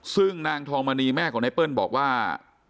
ซึ่งนางทองมณีแม่ของไนเปิ้ลบอกว่า